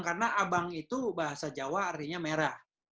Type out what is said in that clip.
karena abang itu bahasa jawa artinya merah